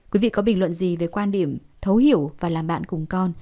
quý vị có bình luận gì về quan điểm thấu hiểu và làm bạn cùng con